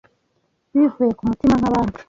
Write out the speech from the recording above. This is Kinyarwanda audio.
bivuye ku mutima nk'abandi.